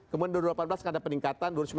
kemudian dua ribu delapan belas kan ada peningkatan